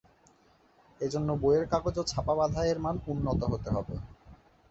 এ জন্য বইয়ের কাগজ ও ছাপা বাঁধাইয়ের মান উন্নত হতে হবে।